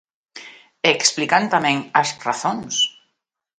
E explican tamén as razóns.